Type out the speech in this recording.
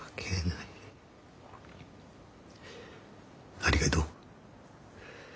ありがとう。